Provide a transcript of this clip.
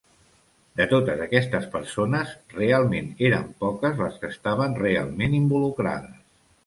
De totes aquestes persones, realment eren poques les que estaven realment involucrades.